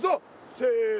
せの。